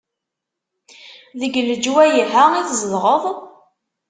Deg leǧwayeh-a i tzedɣeḍ?